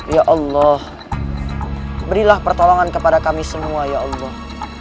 ya allah berilah pertolongan kepada kami semua ya allah